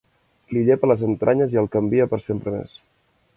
Li llepa les entranyes i el canvia per sempre més.